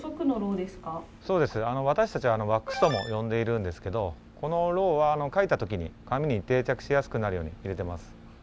私たちは「ワックス」とも呼んでいるんですけどこのロウは描いた時に紙に定着しやすくなるように入れてます。